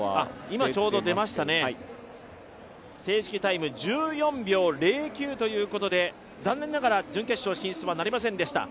今ちょうど出ましたね、正式タイム１４秒０９ということで残念ながら準決勝進出はなりませんでした。